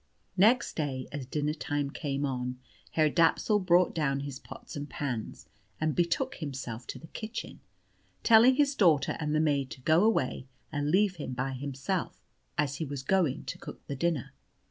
Next day, as dinner time came on, Herr Dapsul brought down his pots and pans, and betook himself to the kitchen, telling his daughter and the maid to go away and leave him by himself, as he was going to cook the dinner.